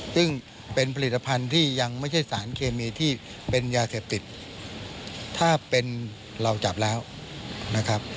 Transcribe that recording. ซึ่งเป็นผลิตภัณฑ์ที่ยังไม่ใช่สารเคมีที่เป็นยาเสพติดถ้าเป็นเราจับแล้วนะครับ